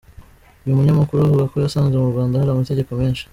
Uyu munyamakuru avuga ko yasanze mu Rwanda hari amategeko menshi.